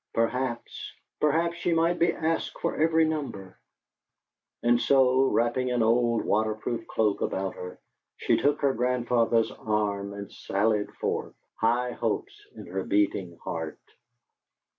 Perhaps perhaps she might be asked for every number. And so, wrapping an old waterproof cloak about her, she took her grandfather's arm and sallied forth, high hopes in her beating heart.